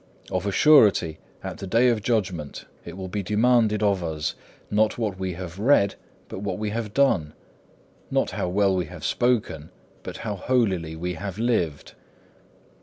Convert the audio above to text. Of a surety, at the Day of Judgment it will be demanded of us, not what we have read, but what we have done; not how well we have spoken, but how holily we have lived.